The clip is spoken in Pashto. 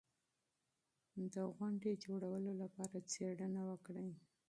د پروګرام جوړولو لپاره څېړنه وکړئ.